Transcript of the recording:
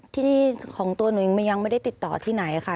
ที่นี่ของตัวหนูยังไม่ได้ติดต่อที่ไหนค่ะ